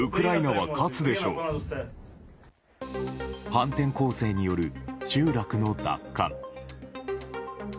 反転攻勢による集落の奪還。